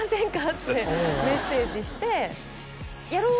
ってメッセージしてやろう！